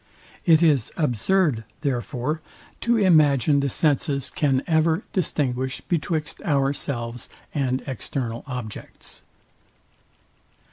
It is absurd, therefore, to imagine the senses can ever distinguish betwixt ourselves and external objects.